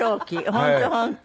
本当本当。